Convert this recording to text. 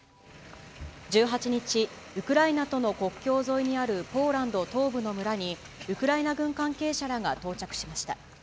１８日、ウクライナとの国境沿いにあるポーランド東部の村にウクライナ軍関係者らが到着しました。